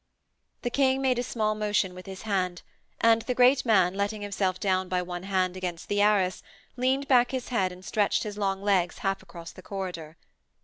The King made a small motion with his hand, and the great man, letting himself down by one hand against the arras, leaned back his head and stretched his long legs half across the corridor.